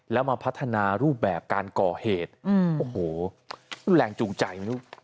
แล้วมาพัฒนารูปแบบการก่อเหตุโอ้โหแรงจูงใจไหมลูก